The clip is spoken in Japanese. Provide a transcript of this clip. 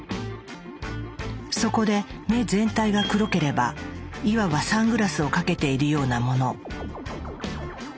そこで目全体が黒ければいわばサングラスをかけているようなもの。